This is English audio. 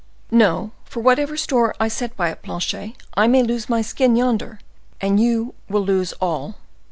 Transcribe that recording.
"No; for whatever store I set by it, Planchet, I may lose my skin yonder, and you will lose all.